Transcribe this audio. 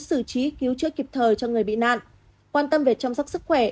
sử trí cứu chữa kịp thời cho người bị nạn quan tâm về chăm sóc sức khỏe